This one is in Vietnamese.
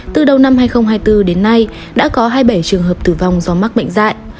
từ đầu năm hai nghìn hai mươi bốn đến nay đã có hai mươi bảy trường hợp tử vong do mắc bệnh dạy